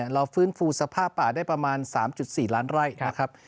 เราฟื้นฟูสภาพป่าได้ประมาณ๓๔ล้านไร่นะครับ